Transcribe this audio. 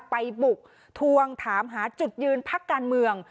ไปบุกทวงถามหาจุดยืนพักการเมือง